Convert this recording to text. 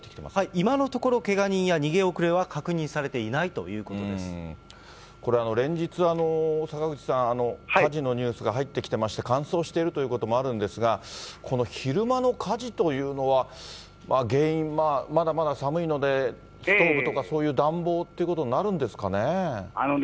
今のところけが人や逃げ遅れは確認されていないということでこれ、連日、坂口さん、火事のニュースが入ってきていまして、乾燥しているということもあるんですが、この昼間の火事というのは、原因、まだまだ寒いので、ストーブとかそういう暖房ということになるんでかね。